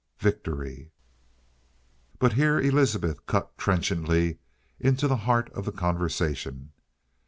Victory! But here Elizabeth cut trenchantly into the heart of the conversation.